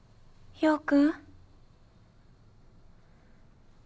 陽君？